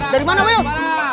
dari mana mau yuk